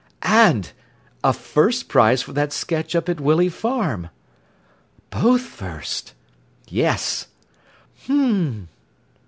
"And a first prize for that sketch up at Willey Farm." "Both first?" "Yes." "H'm!"